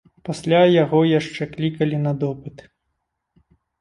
Пасля яго яшчэ клікалі на допыт.